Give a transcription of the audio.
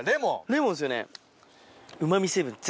レモンですよね。